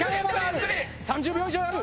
３０秒以上ある。